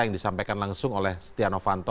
yang disampaikan langsung oleh setia novanto